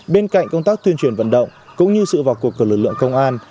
bên cạnh công tác tuyên truyền vận động cũng như sự vào cuộc của lực lượng công an